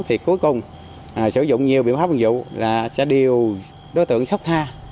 thì cuối cùng sử dụng nhiều biện pháp vận dụng là sẽ điều đối tượng sốc tha